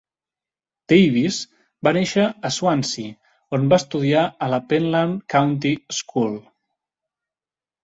Davies va néixer a Swansea, on va estudiar a la Penlan County School.